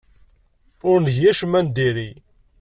Ur ngi acemma n diri.